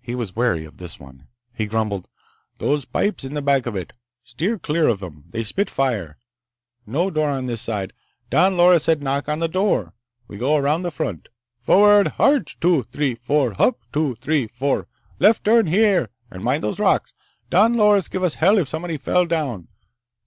He was wary of this one. He grumbled: "Those pipes in the back of it—steer clear of 'em. They spit fire. No door on this side. Don Loris said knock on the door. We go around the front. Frrrrd harch! two, three, four, hup, two, three, four. Left turn here and mind those rocks. Don Loris'd give us hell if somebody fell down.